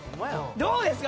どうですか？